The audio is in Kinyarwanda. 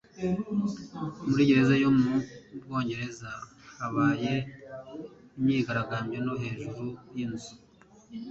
Muri gereza yo mu Bwongereza habaye imyigaragambyo no hejuru y'inzu